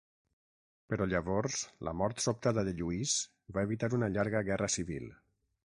Però llavors la mort sobtada de Lluís va evitar una llarga guerra civil.